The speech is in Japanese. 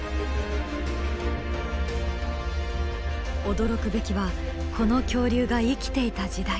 驚くべきはこの恐竜が生きていた時代。